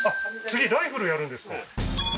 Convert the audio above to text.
次ライフルやるんですか？